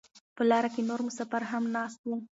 په لاره کې نور مسافر هم ناست وو.